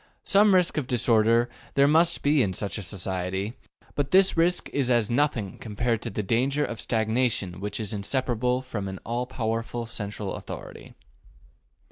Some risk of disorder there must be in such a society, but this risk is as nothing compared to the danger of stagnation which is inseparable from an all powerful central authority.